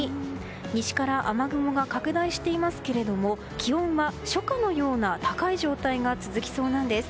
西から雨雲が拡大していますけれども気温は初夏のような高い状態が続きそうなんです。